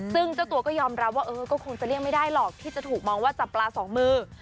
ซึ่งเจ้าตัวก็ยอมรับว่าเออก็คงจะเลี่ยงไม่ได้หรอกที่จะถูกมองว่าจับปลาสองมือ